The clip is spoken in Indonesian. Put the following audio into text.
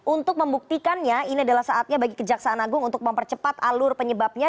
untuk membuktikannya ini adalah saatnya bagi kejaksaan agung untuk mempercepat alur penyebabnya